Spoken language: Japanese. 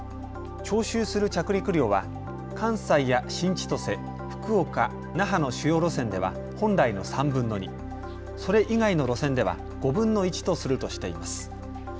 徴収する着陸料は関西や新千歳、福岡、那覇の主要路線では本来の３分の２、それ以外の路線では５分の１とするとしています。